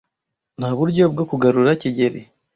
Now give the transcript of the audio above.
Nta buryo bwo kugarura kigeli.